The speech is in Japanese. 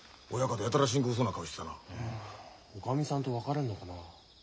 おかみさんと別れんのかな。